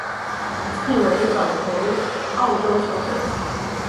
季尾转投澳洲球会。